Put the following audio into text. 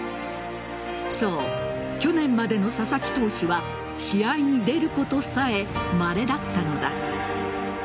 そう、去年までの佐々木投手は試合に出ることさえまれだったのだ。